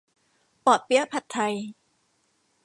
เปาะเปี๊ยะผัดไทย